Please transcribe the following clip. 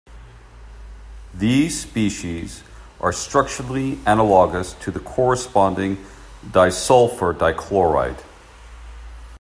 These species are structurally analogous to the corresponding disulfur dichloride.